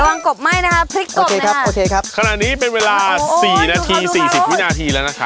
กบไหม้นะคะพริกโอเคครับโอเคครับขณะนี้เป็นเวลาสี่นาทีสี่สิบวินาทีแล้วนะครับ